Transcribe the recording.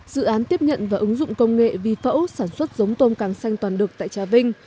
dự án tiếp nhận và ứng dụng công nghệ vi phẫu sản xuất giống tôm càng xanh toàn đực tại trà vinh